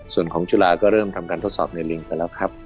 ส่วนของจุฬาก็เริ่มทำการทดสอบในลิงไปแล้วครับ